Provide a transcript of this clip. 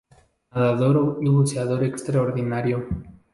Nadador y buceador extraordinario.